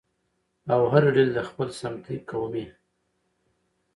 او هرې ډلې د خپل سمتي، قومي